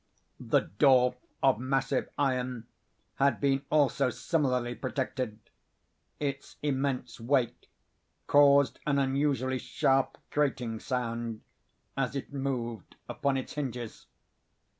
The door, of massive iron, had been, also, similarly protected. Its immense weight caused an unusually sharp grating sound, as it moved upon its hinges.